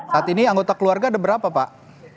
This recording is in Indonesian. saat ini anggota keluarga ada berapa pak